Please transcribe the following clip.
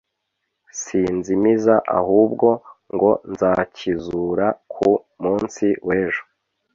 sinzimiza ahubwo ngo nzakizura ku munsi wejo